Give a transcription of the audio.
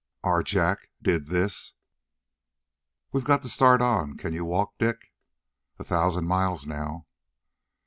"Our Jack did this?" "We've got to start on. Can you walk, Dick?" "A thousand miles now."